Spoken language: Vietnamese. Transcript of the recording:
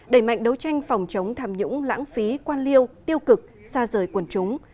đẩy mạnh đấu tranh phòng chống tham nhũng lãng phí quan liêu tiêu cực xa rời quần chúng